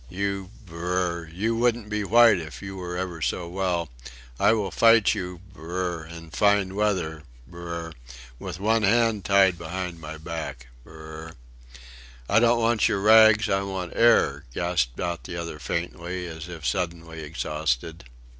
"You... brrr... You wouldn't be white if you were ever so well... I will fight you... brrrr... in fine weather... brrr ... with one hand tied behind my back... brrrrrr..." "I don't want your rags I want air," gasped out the other faintly, as if suddenly exhausted.